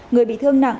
người bị thương nặng